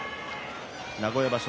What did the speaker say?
名古屋場所